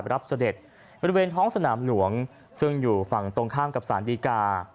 เสด็จบริเวณท้องสนามหลวงซึ่งอยู่ฝั่งตรงข้ามกับสารดีกา